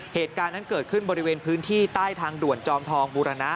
เหตุการณ์นั้นเกิดขึ้นบริเวณพื้นที่ใต้ทางด่วนจอมทองบูรณะ